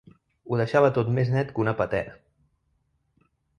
Ho deixava tot més net que una patena.